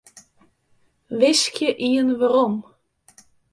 Wiskje ien werom.